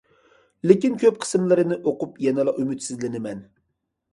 لېكىن كۆپ قىسىملىرىنى ئوقۇپ يەنىلا ئۈمىدسىزلىنىمەن.